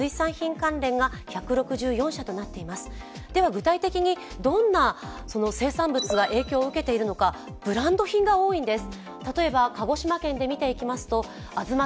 具体的に、どんな生産物が影響を受けているのか、ブランド品が多いんです。